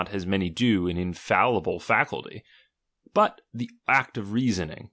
as nianr do, an infallible faculty, but the act of n^mniiig.